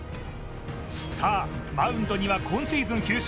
さあ、マウンドには今シーズン９勝。